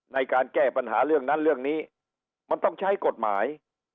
ในการแก้ปัญหาเรื่องนั้นเรื่องนี้มันต้องใช้กฎหมาย